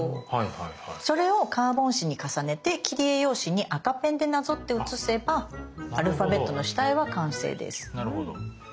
それをカーボン紙に重ねて切り絵用紙に赤ペンでなぞって写せばアルファベットの下絵は完成です。